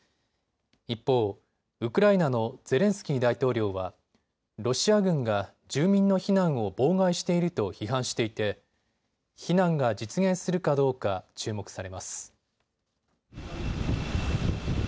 一方、ウクライナのゼレンスキー大統領はロシア軍が住民の避難を妨害していると批判していて避難が実現するかどうか注目されます。